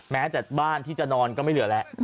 แม้แต่บ้านที่จะนอนก็ไม่เหลือแล้ว